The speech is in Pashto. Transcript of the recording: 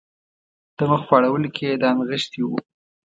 د مخ په اړولو کې یې دا نغښتي وو.